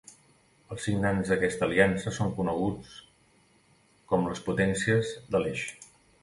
Els signants d'aquesta aliança són coneguts com les Potències de l'Eix.